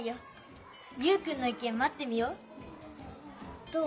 ユウくんのいけんまってみよう。